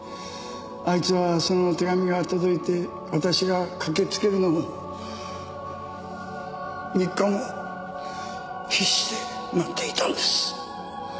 あいつはその手紙が届いて私が駆けつけるのを３日も必死で待っていたんです。